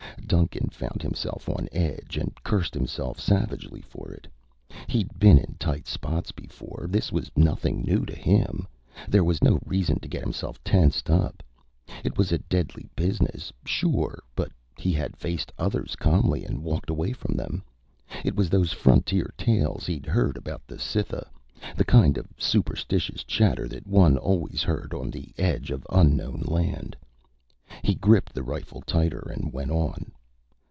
Duncan found himself on edge and cursed himself savagely for it. He'd been in tight spots before. This was nothing new to him. There was no reason to get himself tensed up. It was a deadly business, sure, but he had faced others calmly and walked away from them. It was those frontier tales he'd heard about the Cytha the kind of superstitious chatter that one always heard on the edge of unknown land. He gripped the rifle tighter and went on.